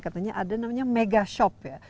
katanya ada namanya mega shop ya